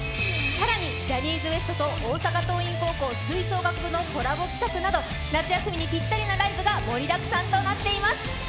更にジャニーズＷＥＳＴと大阪桐蔭高校吹奏楽部のコラボ企画など夏休みにぴったりのライブが盛りだくさんとなっています。